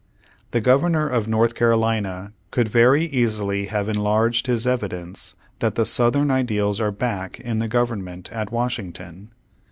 The Governor of North Carolina could very easily have enlarged his evidence that the Southern ideals are back in the Government at Washington.